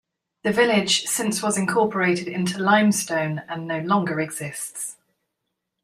The village since was incorporated into Limestone, and no longer exists.